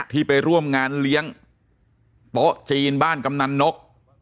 ที่ไปร่วมงานเลี้ยงโต๊ะจีนบ้านกำนันนก